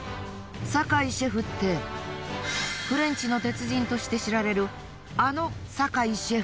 坂井シェフってフレンチの鉄人として知られるあの坂井シェフ？